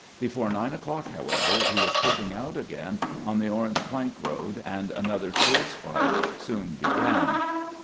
Before nine o'clock, however, he was pushing out again *on the Orange plank road, and another fierce fight soon began.